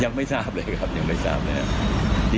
ยังไม่ทราบเลยครับยังไม่ทราบนะครับ